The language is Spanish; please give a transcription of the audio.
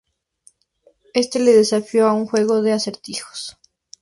Éste le desafió a un juego de acertijos.